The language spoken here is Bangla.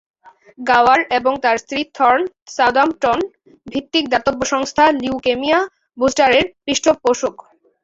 গাওয়ার এবং তার স্ত্রী থর্ন সাউদাম্পটন ভিত্তিক দাতব্য সংস্থা লিউকেমিয়া বুস্টারের পৃষ্ঠপোষক।